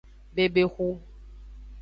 Bebexu.